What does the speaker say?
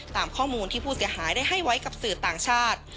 ตามข้อมูลที่ผู้เสียหายได้ให้ไว้กับสื่อต่างชาติ